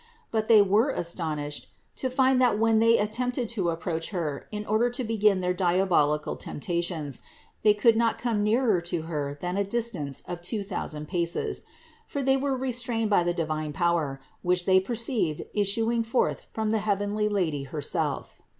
But they were astonished to find that when they attempted to approach Her in order to begin their dia bolical temptations, they could not come nearer to Her than a distance of two thousand paces; for they were restrained by the divine power, which they perceived is suing forth from the heavenly Lady herself.